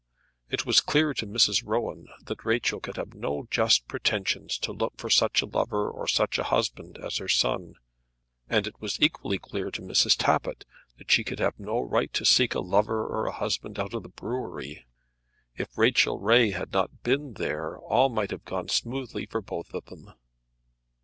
It was clear to Mrs. Rowan that Rachel could have no just pretensions to look for such a lover or such a husband as her son; and it was equally clear to Mrs. Tappitt that she could have had no right to seek a lover or a husband out of the brewery. If Rachel Ray had not been there all might have gone smoothly for both of them.